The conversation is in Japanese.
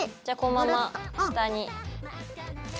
じゃこのまま下に。